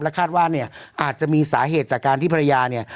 คาดว่าเนี่ยอาจจะมีสาเหตุจากการที่ภรรยาเนี่ย